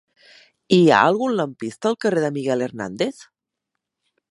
Hi ha algun lampista al carrer de Miguel Hernández?